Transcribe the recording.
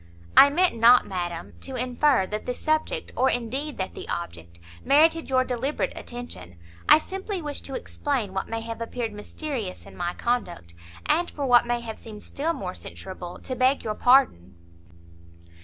"I meant not, madam, to infer, that the subject or indeed that the object merited your deliberate attention; I simply wish to explain what may have appeared mysterious in my conduct, and for what may have seemed still more censurable, to beg your pardon."